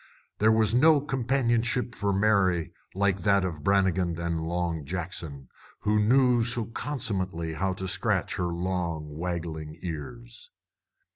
There was no companionship for Mary like that of Brannigan and Long Jackson, who knew so consummately how to scratch her long, waggling ears.